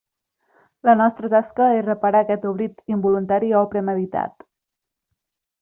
La nostra tasca és reparar aquest oblit involuntari o premeditat.